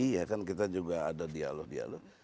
iya kan kita juga ada dialog dialog